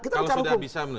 kalau sudah bisa